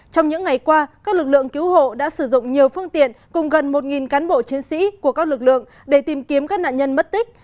trong những ngày qua các lực lượng cứu hộ đã sử dụng nhiều phương tiện cùng gần một cán bộ chiến sĩ của các lực lượng để tìm kiếm các nạn nhân mất tích